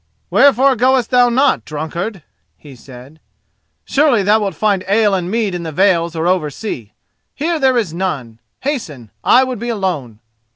"Wherefore goest thou not, drunkard?" he said. "Surely thou wilt find ale and mead in the vales or oversea. Here there is none. Hasten! I would be alone!"